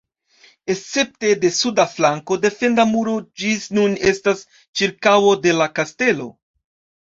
Escepte de suda flanko, defenda muro ĝis nun estas ĉirkaŭo de la kastelo.